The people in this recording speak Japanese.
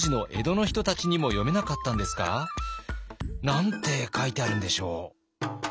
何て書いてあるんでしょう？